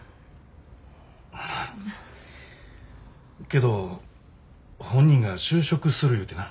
けど本人が就職する言うてな。